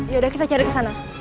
ya udah kita cari ke sana